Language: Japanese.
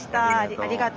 ありがとう。